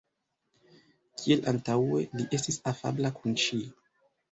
Kiel antaŭe, li estis afabla kun ŝi.